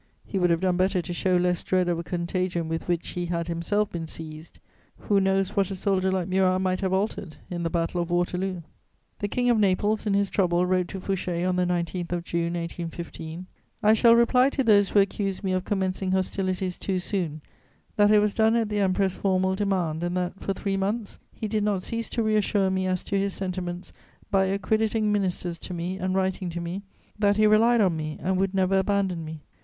He would have done better to show less dread of a contagion with which he had himself been seized: who knows what a soldier like Murat might have altered in the Battle of Waterloo? The King of Naples, in his trouble, wrote to Fouché on the 19th of June 1815: "I shall reply to those who accuse me of commencing hostilities too soon that it was done at the Emperor's formal demand and that, for three months, he did not cease to reassure me as to his sentiments by accrediting ministers to me and writing to me that he relied on me and would never abandon me.